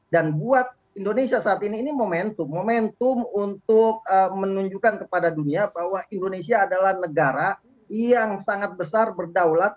dan buat indonesia saat ini ini momentum momentum untuk menunjukkan kepada dunia bahwa indonesia adalah negara yang sangat besar berdaulat